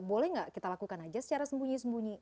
boleh nggak kita lakukan aja secara sembunyi sembunyi